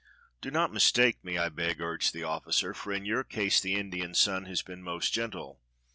*'Do not mistake me, I beg," urged the officer, "for in your case the Indian sun has been most gentle.